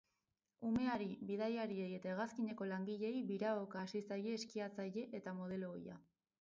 Umeari, bidaiariei eta hegazkineko langileei biraoka hasi zaie eskiatzaile eta modelo ohia.